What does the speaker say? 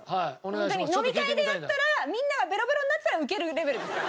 ホントに飲み会でやったらみんながベロベロになってたらウケるレベルですよ。